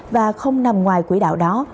và không nằm ngoài quỹ đạo đó